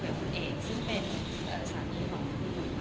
หรือคุยกับคุณเองซึ่งเป็นศาลที่ของคุณคุณค่ะ